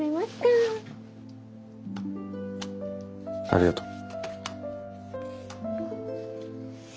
ありがとう。